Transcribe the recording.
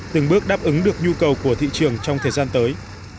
từng bước đáp ứng được nhu cầu của thị trường trong thời gian tới